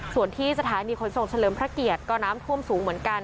ส่วนที่สถานีขนส่งเฉลิมพระเกียรติก็น้ำท่วมสูงเหมือนกัน